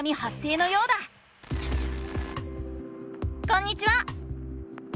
こんにちは！